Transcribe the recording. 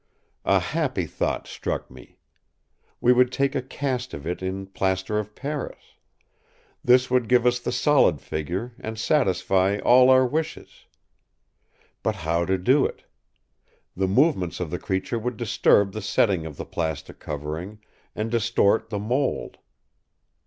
A happy thought struck me. We would take a cast of it in plaster of Paris. This would give us the solid figure, and satisfy all our wishes. But how to do it. The movements of the creature would disturb the setting of the plastic covering, and distort the mould.